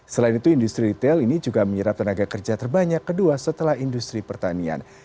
selain itu industri retail ini juga menyerap tenaga kerja terbanyak kedua setelah industri pertanian